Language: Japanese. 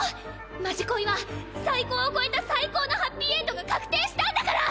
「まじこい」は最高を超えた最高のハッピーエンドが確定したんだから！